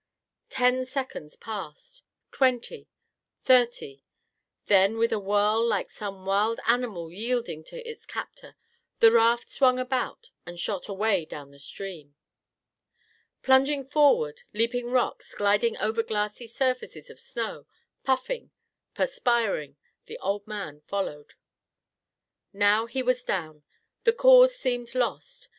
Ten seconds passed, twenty, thirty, then with a whirl like some wild animal yielding to its captor, the raft swung about and shot away down stream. Plunging forward, leaping rocks, gliding over glassy surfaces of snow, puffing, perspiring, the old man followed. Now he was down; the cause seemed lost.